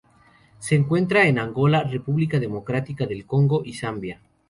Se encuentra en Angola, República Democrática del Congo y Zambia.